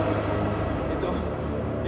dia akan menang